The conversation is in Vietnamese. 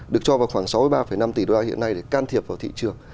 được cho vào khoảng sáu mươi ba năm tỷ đô la hiện nay để can thiệp vào thị trường